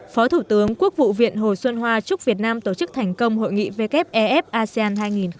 phó thủ tướng quốc vụ viện hồ xuân hoa chúc việt nam tổ chức thành công hội nghị wff asean hai nghìn một mươi tám